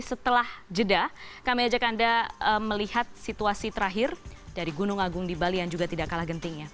setelah jeda kami ajak anda melihat situasi terakhir dari gunung agung di bali yang juga tidak kalah gentingnya